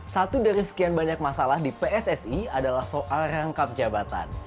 satu dari sekian banyak masalah di pssi adalah soal rangkap jabatan